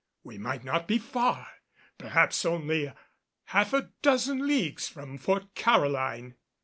We might not be far perhaps only half a dozen leagues from Fort Caroline.